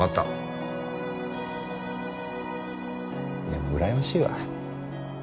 でもうらやましいわ。